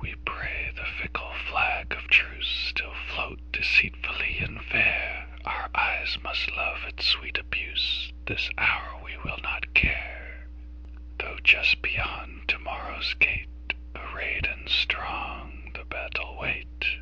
We pray the fickle flag of truceStill float deceitfully and fair; Our eyes must love its sweet abuse; This hour we will not care, Though just beyond to morrow's gate, Arrayed and strong, the battle wait.